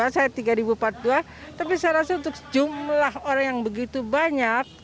tiga dua puluh dua saya tiga empat puluh dua tapi saya rasa untuk jumlah orang yang begitu banyak